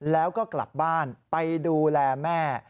แล้วก็กลับบ้านไปดูแลแม่